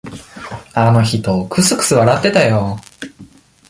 あの人、くすくす笑ってたよ。